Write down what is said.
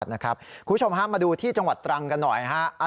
คุณผู้ชมฮะมาดูที่จังหวัดตรังกันหน่อยฮะ